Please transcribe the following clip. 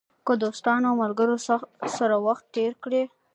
که دوستانو او ملګرو سره وخت تېر کړئ.